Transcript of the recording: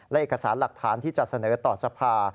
และเอกสารหลักฐานที่จะเสนอต่อสภา